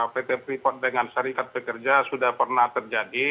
freeport dengan syarikat pekerja sudah pernah terjadi